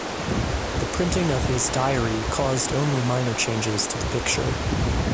The printing of his diary caused only minor changes to the picture...